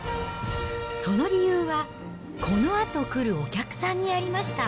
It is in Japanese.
その理由は、このあと来るお客さんにありました。